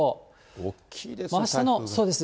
大きいですね。